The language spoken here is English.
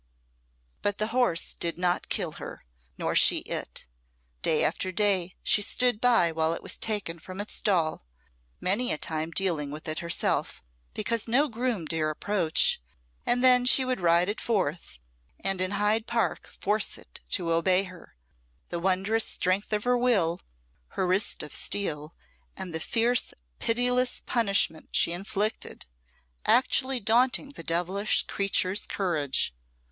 But the horse did not kill her, nor she it. Day after day she stood by while it was taken from its stall, many a time dealing with it herself, because no groom dare approach; and then she would ride it forth, and in Hyde Park force it to obey her; the wondrous strength of her will, her wrist of steel, and the fierce, pitiless punishment she inflicted, actually daunting the devilish creature's courage.